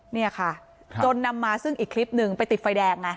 เนี่ยค่ะจนนำมาซึ่งอีกคลิปหนึ่งไปติดไฟแดงไง